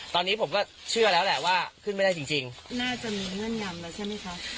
ตอนนี้ผมก็เชื่อแล้วแหละว่าขึ้นไม่ได้จริงน่าจะมีเงื่อนงำแล้วใช่ไหมคะ